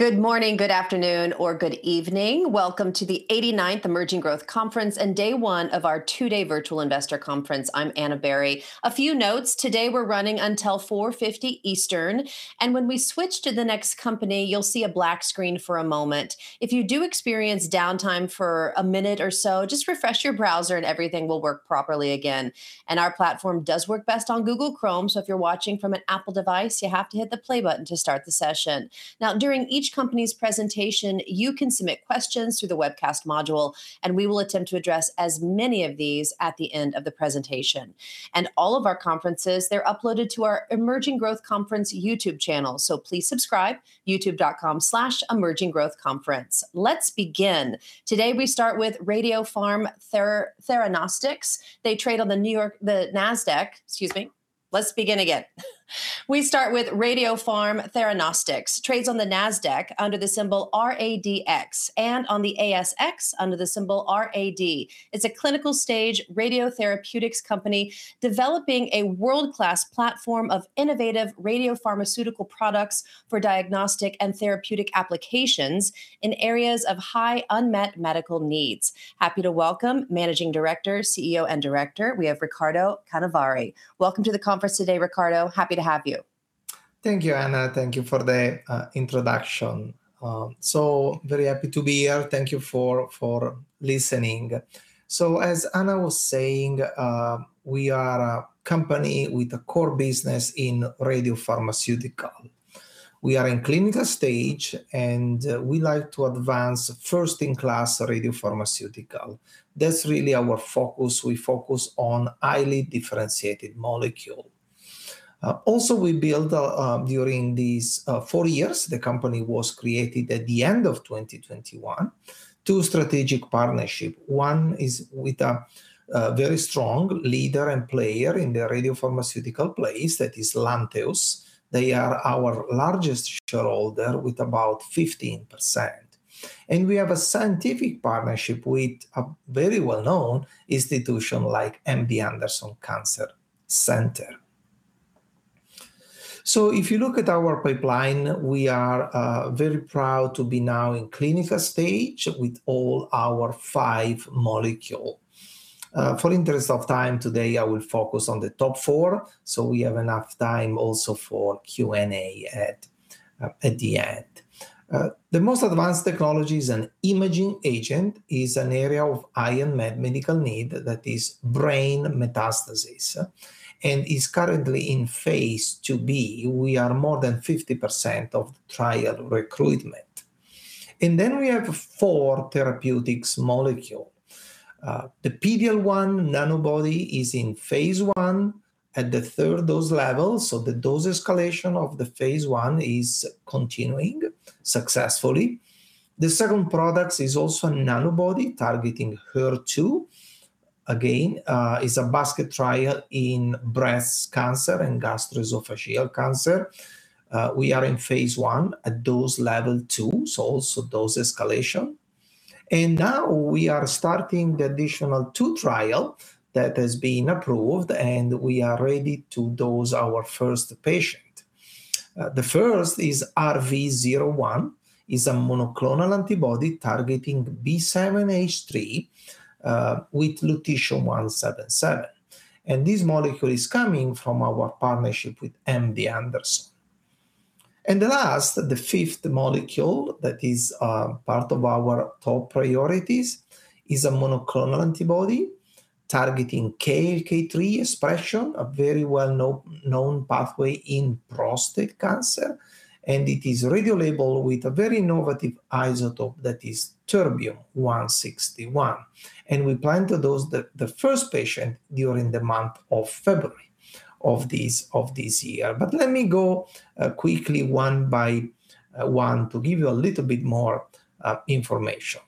Good morning, good afternoon, or good evening. Welcome to the 89th Emerging Growth Conference and day one of our two-day virtual investor conference. I'm Ana Berry. A few notes: today we're running until 4:50 P.M. Eastern, and when we switch to the next company, you'll see a black screen for a moment. If you do experience downtime for a minute or so, just refresh your browser and everything will work properly again. Our platform does work best on Google Chrome, so if you're watching from an Apple device, you have to hit the play button to start the session. Now, during each company's presentation, you can submit questions through the webcast module, and we will attempt to address as many of these at the end of the presentation, and all of our conferences, they're uploaded to our Emerging Growth Conference YouTube channel, so please subscribe, youtube.com/emerginggrowthconference. Let's begin. Today we start with Radiopharm Theranostics. They trade on the NASDAQ. Excuse me. Let's begin again. We start with Radiopharm Theranostics, trades on the NASDAQ under the symbol RADX and on the ASX under the symbol RAD. It's a clinical stage radiotherapeutics company developing a world-class platform of innovative radiopharmaceutical products for diagnostic and therapeutic applications in areas of high unmet medical needs. Happy to welcome Managing Director, CEO, and Director. We have Riccardo Canevari. Welcome to the conference today, Riccardo. Happy to have you. Thank you, Ana. Thank you for the introduction. Very happy to be here. Thank you for listening. As Ana was saying, we are a company with a core business in radiopharmaceuticals. We are in clinical stage, and we like to advance first-in-class radiopharmaceuticals. That's really our focus. We focus on highly differentiated molecules. Also, we built during these four years (the company was created at the end of 2021), two strategic partnerships. One is with a very strong leader and player in the radiopharmaceutical space that is Lantheus. They are our largest shareholder with about 15%. And we have a scientific partnership with a very well-known institution like MD Anderson Cancer Center. If you look at our pipeline, we are very proud to be now in clinical stage with all our five molecules. For interest of time, today I will focus on the top four, so we have enough time also for Q&A at the end. The most advanced technologies and imaging agent is an area of high unmet medical need that is brain metastasis, and is currently in phase II. We are more than 50% of trial recruitment. And then we have four therapeutics molecules. The PD-L1 Nanobody is in phase I at the third dose level, so the dose escalation of the phase I is continuing successfully. The second product is also a Nanobody targeting HER2. Again, it's a basket trial in breast cancer and gastroesophageal cancer. We are in phase I at dose level II, so also dose escalation. And now we are starting the additional two trials that have been approved, and we are ready to dose our first patient. The first is RV01, a monoclonal antibody targeting B7-H3 with Lutetium-177. This molecule is coming from our partnership with MD Anderson. The last, the fifth molecule that is part of our top priorities, is a monoclonal antibody targeting KLK3 expression, a very well-known pathway in prostate cancer. It is radiolabeled with a very innovative isotope that is Terbium-161. We plan to dose the first patient during the month of February of this year. Let me go quickly one by one to give you a little bit more information.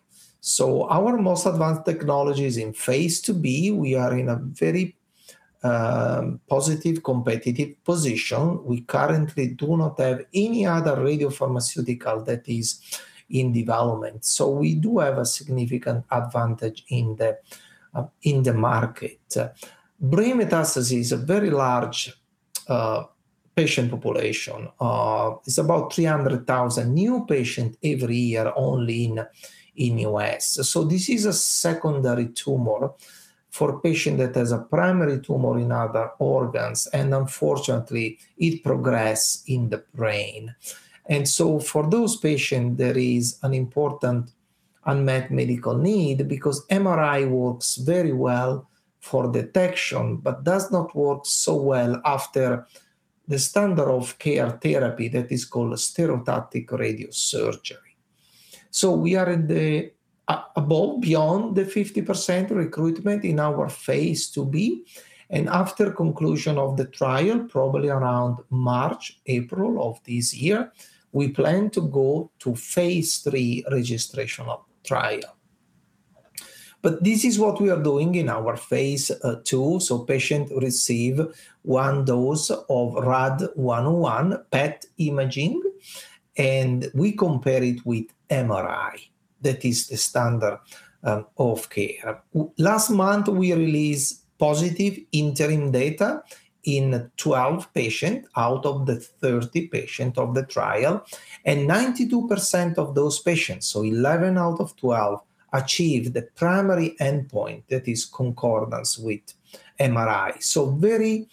Our most advanced technology is in phase II. We are in a very positive competitive position. We currently do not have any other radiopharmaceutical that is in development, so we do have a significant advantage in the market. Brain metastasis is a very large patient population. It's about 300,000 new patients every year only in the U.S. So this is a secondary tumor for a patient that has a primary tumor in other organs, and unfortunately, it progresses in the brain. And so for those patients, there is an important unmet medical need because MRI works very well for detection, but does not work so well after the standard of care therapy that is called stereotactic radiosurgery. So we are above, beyond the 50% recruitment in our phase II. And after conclusion of the trial, probably around March, April of this year, we plan to go to phase III registration of the trial. But this is what we are doing in our phase II, so patients receive one dose of RAD101 PET imaging, and we compare it with MRI that is the standard of care. Last month, we released positive interim data in 12 patients out of the 30 patients of the trial, and 92% of those patients, so 11 out of 12, achieved the primary endpoint, that is, concordance with MRI, so very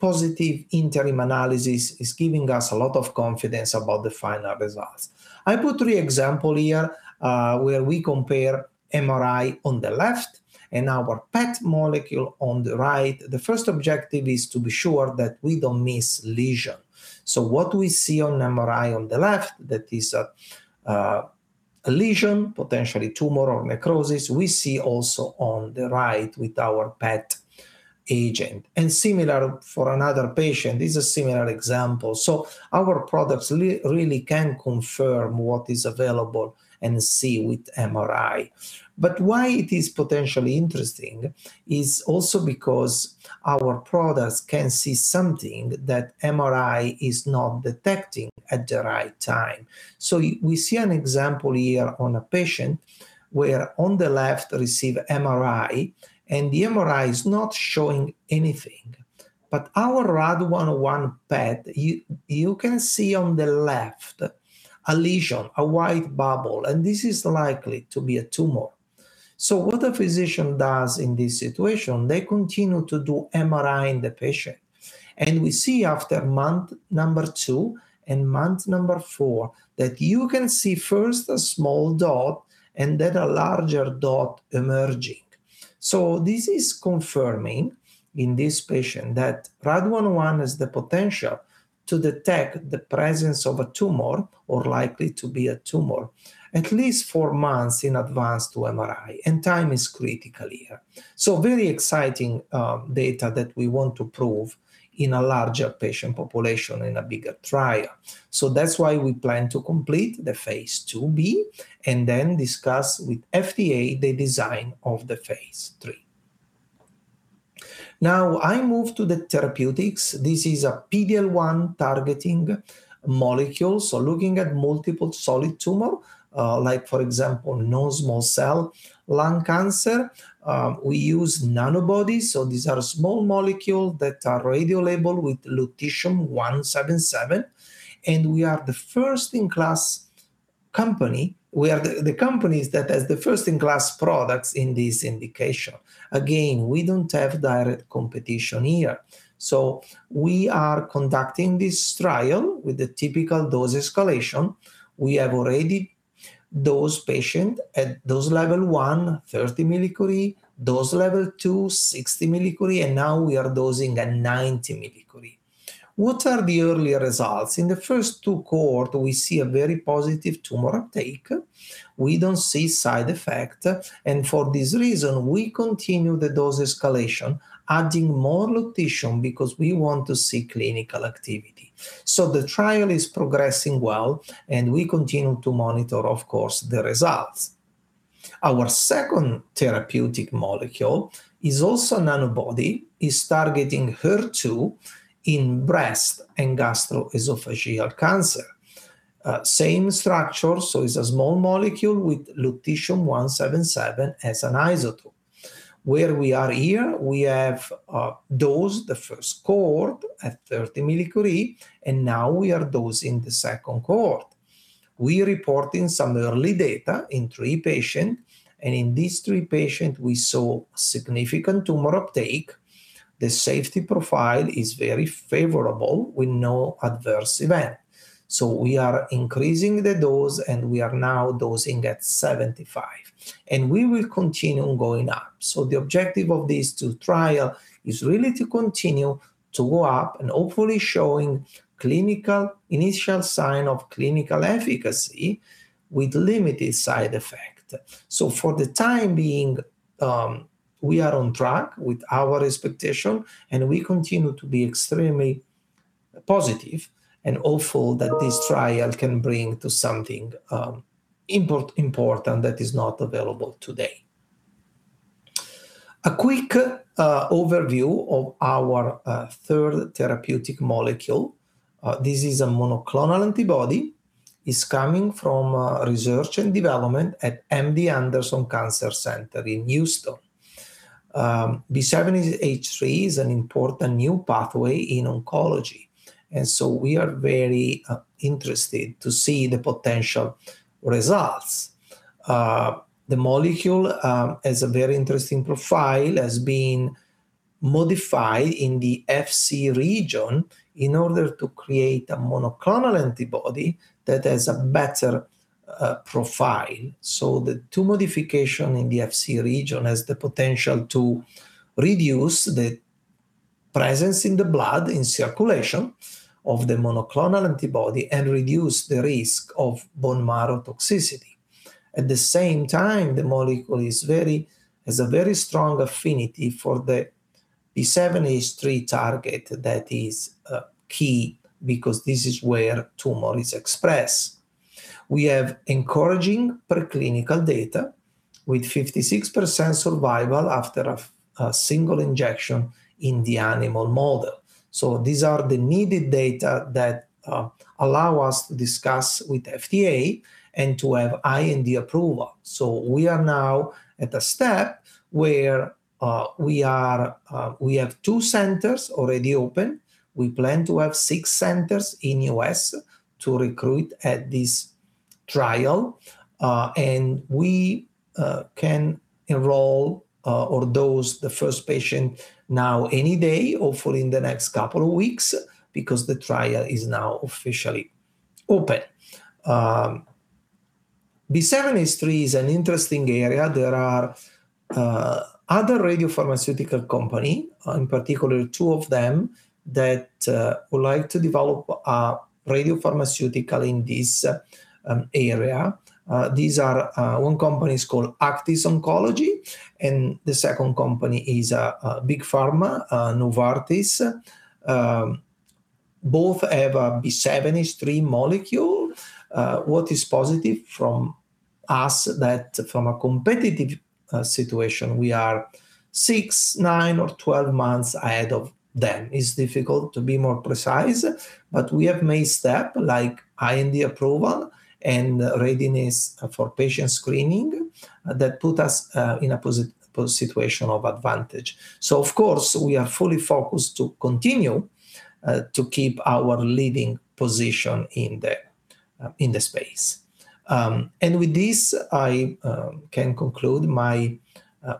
positive interim analysis is giving us a lot of confidence about the final results. I put three examples here where we compare MRI on the left and our PET molecule on the right. The first objective is to be sure that we don't miss lesions. So what we see on MRI on the left, that is a lesion, potentially tumor or necrosis. We see also on the right with our PET agent, and similar for another patient, this is a similar example, so our products really can confirm what is available to see with MRI. But why it is potentially interesting is also because our products can see something that MRI is not detecting at the right time. So we see an example here on a patient where on the left receives MRI, and the MRI is not showing anything. But our RAD101 PET, you can see on the left a lesion, a white bubble, and this is likely to be a tumor. So what the physician does in this situation, they continue to do MRI in the patient. And we see after month number two and month number four that you can see first a small dot and then a larger dot emerging. So this is confirming in this patient that RAD101 has the potential to detect the presence of a tumor or likely to be a tumor at least four months in advance to MRI, and time is critical here. So very exciting data that we want to prove in a larger patient population in a bigger trial. So that's why we plan to complete the phase IIb and then discuss with FDA the design of the phase III. Now I move to the therapeutics. This is a PD-L1 targeting molecule, so looking at multiple solid tumors, like for example, non-small cell lung cancer. We use Nanobodies, so these are small molecules that are radiolabeled with Lutetium-177. And we are the first-in-class company. We are the company that has the first-in-class products in this indication. Again, we don't have direct competition here. So we are conducting this trial with the typical dose escalation. We have already dosed patients at dose level I, 30 mCi, dose level II, 60 mCi, and now we are dosing at 90 mCi. What are the early results? In the first two quarters, we see a very positive tumor uptake. We don't see side effects, and for this reason, we continue the dose escalation, adding more Lutetium because we want to see clinical activity, so the trial is progressing well, and we continue to monitor, of course, the results. Our second therapeutic molecule is also a Nanobody, is targeting HER2 in breast and gastroesophageal cancer. Same structure, so it's a small molecule with Lutetium-177 as an isotope. Where we are here, we have dosed the first cohort at 30 mCi, and now we are dosing the second cohort. We reported some early data in three patients, and in these three patients, we saw significant tumor uptake. The safety profile is very favorable with no adverse event, so we are increasing the dose, and we are now dosing at 75 mCi, and we will continue going up. The objective of this trial is really to continue to go up and hopefully show clinical initial signs of clinical efficacy with limited side effects. For the time being, we are on track with our expectation, and we continue to be extremely positive and hopeful that this trial can bring to something important that is not available today. A quick overview of our third therapeutic molecule. This is a monoclonal antibody. It is coming from research and development at MD Anderson Cancer Center in Houston. B7-H3 is an important new pathway in oncology. We are very interested to see the potential results. The molecule has a very interesting profile, has been modified in the Fc region in order to create a monoclonal antibody that has a better profile. So the two modifications in the Fc region have the potential to reduce the presence in the blood in circulation of the monoclonal antibody and reduce the risk of bone marrow toxicity. At the same time, the molecule has a very strong affinity for the B7-H3 target that is key because this is where tumor is expressed. We have encouraging preclinical data with 56% survival after a single injection in the animal model. So these are the needed data that allow us to discuss with FDA and to have IND approval. So we are now at a step where we have two centers already open. We plan to have six centers in the U.S. to recruit at this trial. And we can enroll or dose the first patient now any day, hopefully in the next couple of weeks because the trial is now officially open. B7-H3 is an interesting area. There are other radiopharmaceutical companies, in particular two of them that would like to develop a radiopharmaceutical in this area. One company is called Aktis Oncology, and the second company is a big pharma, Novartis. Both have a B7-H3 molecule. What is positive from us is that from a competitive situation, we are six, nine, or 12 months ahead of them. It's difficult to be more precise, but we have made steps like IND approval and readiness for patient screening that put us in a situation of advantage. So of course, we are fully focused to continue to keep our leading position in the space. And with this, I can conclude my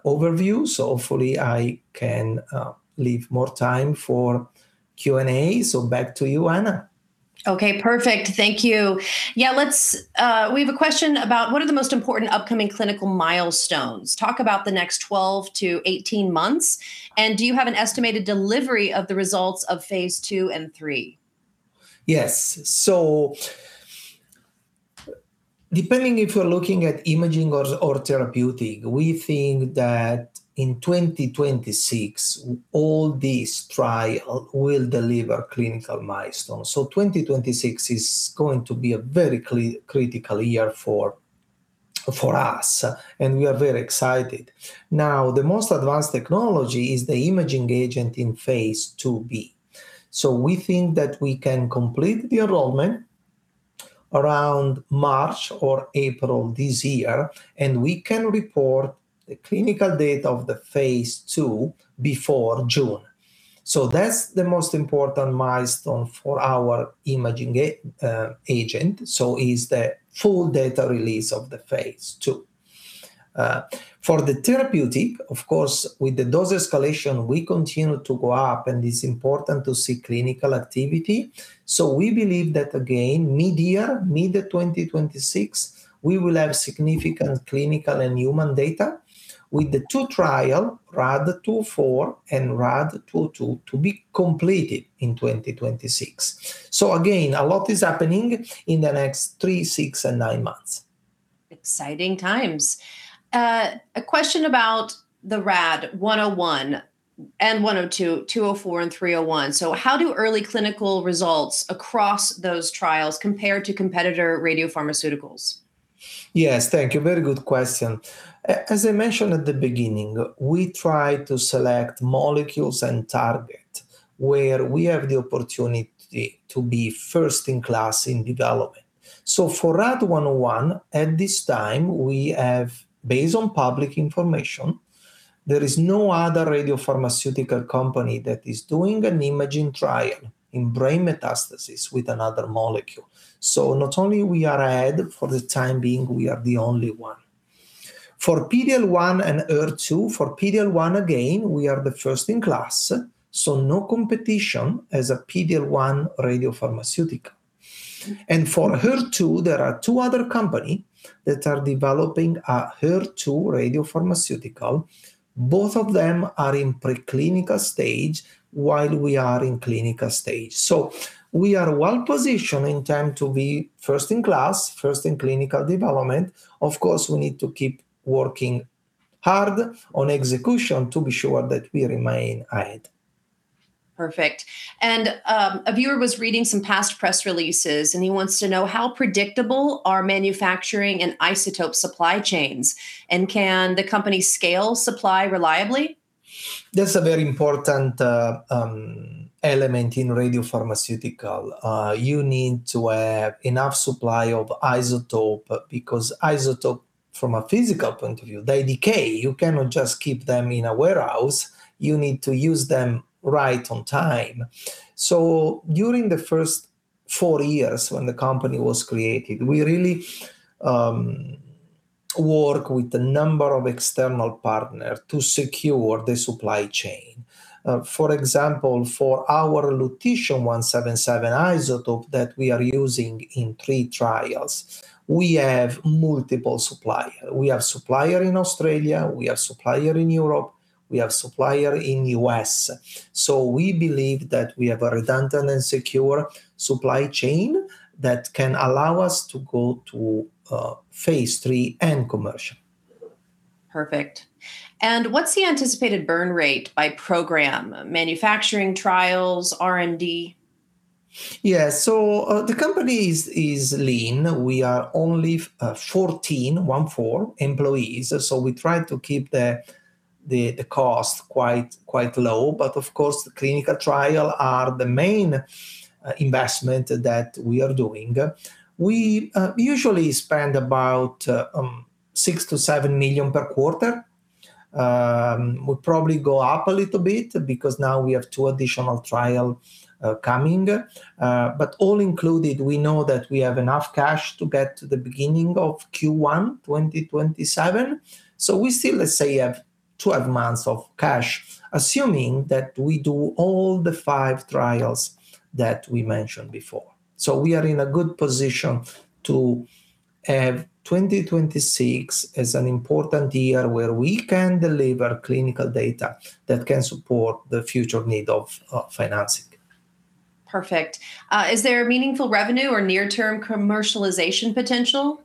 overview. So hopefully, I can leave more time for Q&A. So back to you, Ana. Okay, perfect. Thank you. Yeah, we have a question about what are the most important upcoming clinical milestones? Talk about the next 12 to 18 months, and do you have an estimated delivery of the results of phase II and III? Yes. So depending if you're looking at imaging or therapeutic, we think that in 2026, all these trials will deliver clinical milestones. So 2026 is going to be a very critical year for us, and we are very excited. Now, the most advanced technology is the imaging agent in phase IIb. So we think that we can complete the enrollment around March or April this year, and we can report the clinical data of the phase II before June. So that's the most important milestone for our imaging agent, so it's the full data release of the phase II. For the therapeutic, of course, with the dose escalation, we continue to go up, and it's important to see clinical activity. So we believe that, again, mid-year, mid-2026, we will have significant clinical and human data with the two trials, RAD204 and RAD102, to be completed in 2026. So again, a lot is happening in the next three, six, and nine months. Exciting times. A question about the RAD101 and 102, 204, and 301. So how do early clinical results across those trials compare to competitor radiopharmaceuticals? Yes, thank you. Very good question. As I mentioned at the beginning, we try to select molecules and targets where we have the opportunity to be first in class in development. So for RAD101, at this time, based on public information, there is no other radiopharmaceutical company that is doing an imaging trial in brain metastasis with another molecule. So not only are we ahead, for the time being, we are the only one. For PD-L1 and HER2, for PD-L1, again, we are the first in class, so no competition as a PD-L1 radiopharmaceutical. And for HER2, there are two other companies that are developing a HER2 radiopharmaceutical. Both of them are in preclinical stage while we are in clinical stage. So we are well positioned in time to be first in class, first in clinical development. Of course, we need to keep working hard on execution to be sure that we remain ahead. Perfect. And a viewer was reading some past press releases, and he wants to know how predictable are manufacturing and isotope supply chains, and can the company scale supply reliably? That's a very important element in radiopharmaceuticals. You need to have enough supply of isotope because isotopes, from a physical point of view, they decay. You cannot just keep them in a warehouse. You need to use them right on time. So during the first four years when the company was created, we really worked with a number of external partners to secure the supply chain. For example, for our Lutetium-177 isotope that we are using in three trials, we have multiple suppliers. We have a supplier in Australia. We have a supplier in Europe. We have a supplier in the U.S. So we believe that we have a redundant and secure supply chain that can allow us to go to phase III and commercial. Perfect. And what's the anticipated burn rate by program, manufacturing trials, R&D? Yes. So the company is lean. We are only 14 employees. So we try to keep the cost quite low. But of course, the clinical trials are the main investment that we are doing. We usually spend about $6 million-$7 million per quarter. We probably go up a little bit because now we have two additional trials coming. But all included, we know that we have enough cash to get to the beginning of Q1 2027. So we still, let's say, have 12 months of cash, assuming that we do all the five trials that we mentioned before. So we are in a good position to have 2026 as an important year where we can deliver clinical data that can support the future need of financing. Perfect. Is there meaningful revenue or near-term commercialization potential?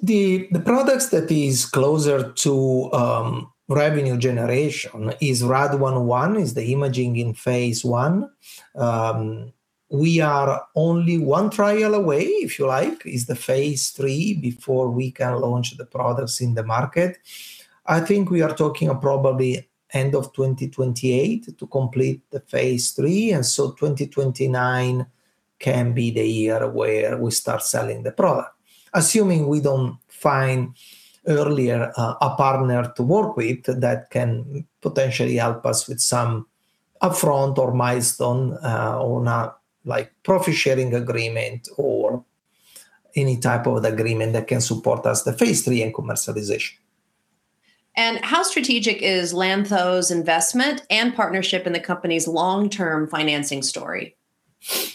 The products that are closer to revenue generation are RAD101, which is the imaging in phase I. We are only one trial away, if you like, is the phase III before we can launch the products in the market. I think we are talking probably end of 2028 to complete the phase III, and so 2029 can be the year where we start selling the product, assuming we don't find earlier a partner to work with that can potentially help us with some upfront or milestone or profit-sharing agreement or any type of agreement that can support us, the phase III and commercialization. How strategic is Lantheus's investment and partnership in the company's long-term financing story?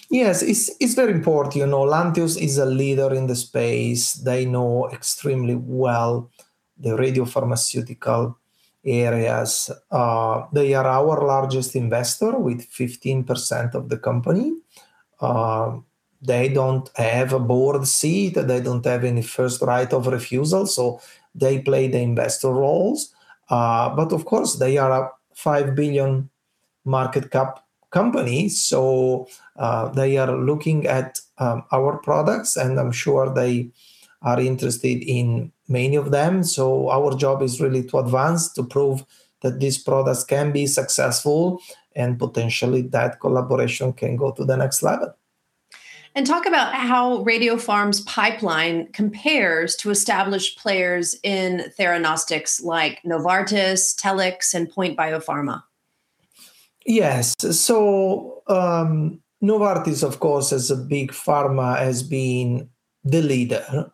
Yes, it's very important. Lantheus is a leader in the space. They know extremely well the radiopharmaceutical areas. They are our largest investor with 15% of the company. They don't have a board seat. They don't have any first right of refusal. So they play the investor roles. But of course, they are a $5 billion market cap company. So they are looking at our products, and I'm sure they are interested in many of them. So our job is really to advance, to prove that these products can be successful, and potentially that collaboration can go to the next level. Talk about how Radiopharm's pipeline compares to established players in theranostics like Novartis, Telix, and POINT Biopharma. Yes. So Novartis, of course, as a big pharma, has been the leader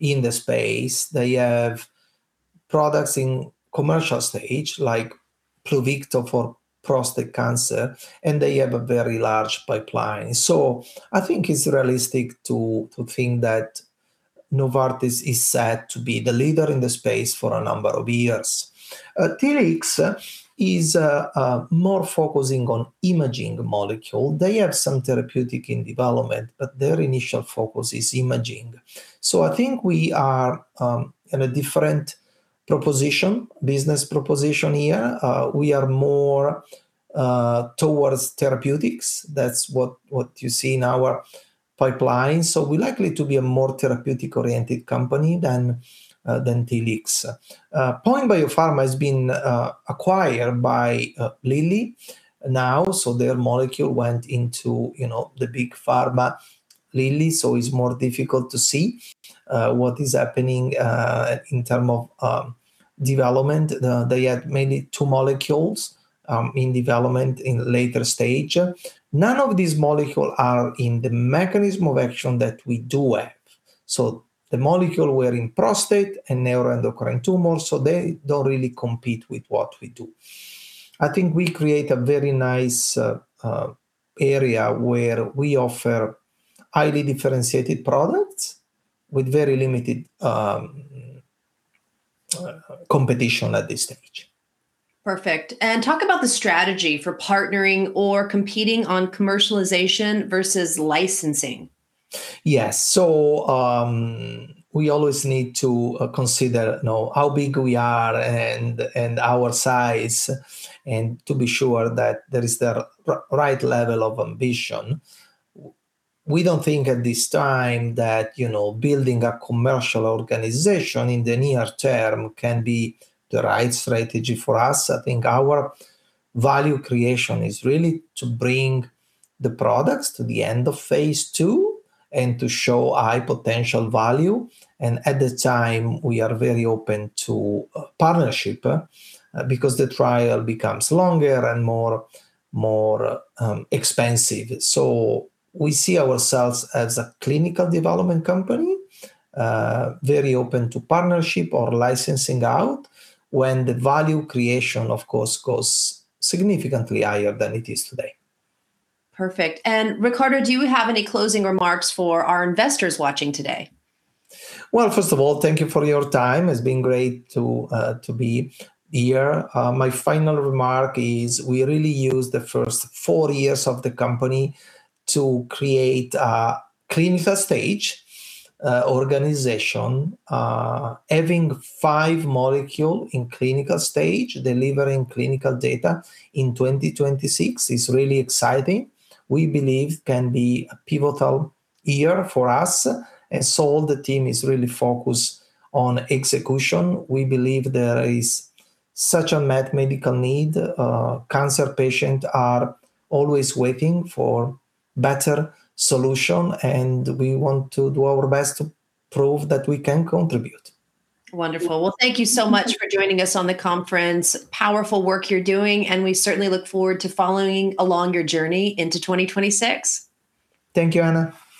in the space. They have products in commercial stage like Pluvicto for prostate cancer, and they have a very large pipeline. So I think it's realistic to think that Novartis is set to be the leader in the space for a number of years. Telix is more focusing on imaging molecules. They have some therapeutic in development, but their initial focus is imaging. So I think we are in a different proposition, business proposition here. We are more towards therapeutics. That's what you see in our pipeline. So we're likely to be a more therapeutic-oriented company than Telix. POINT Biopharma has been acquired by Eli Lilly now. So their molecule went into the big pharma, Eli Lilly. So it's more difficult to see what is happening in terms of development. They had maybe two molecules in development in later stage. None of these molecules are in the mechanism of action that we do have. So the molecules were in prostate and neuroendocrine tumors. So they don't really compete with what we do. I think we create a very nice area where we offer highly differentiated products with very limited competition at this stage. Perfect, and talk about the strategy for partnering or competing on commercialization versus licensing. Yes. So we always need to consider how big we are and our size and to be sure that there is the right level of ambition. We don't think at this time that building a commercial organization in the near term can be the right strategy for us. I think our value creation is really to bring the products to the end of phase II and to show high potential value. And at the time, we are very open to partnership because the trial becomes longer and more expensive. So we see ourselves as a clinical development company, very open to partnership or licensing out when the value creation, of course, goes significantly higher than it is today. Perfect. And Riccardo, do you have any closing remarks for our investors watching today? Well, first of all, thank you for your time. It's been great to be here. My final remark is we really used the first four years of the company to create a clinical stage organization. Having five molecules in clinical stage delivering clinical data in 2026 is really exciting. We believe it can be a pivotal year for us. And so the team is really focused on execution. We believe there is such a medical need. Cancer patients are always waiting for better solutions. And we want to do our best to prove that we can contribute. Wonderful. Well, thank you so much for joining us on the conference. Powerful work you're doing. And we certainly look forward to following along your journey into 2026. Thank you, Ana.